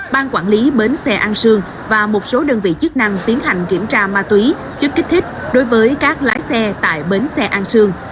ban quản lý bến xe an sương và một số đơn vị chức năng tiến hành kiểm tra ma túy chất kích thích đối với các lái xe tại bến xe an sương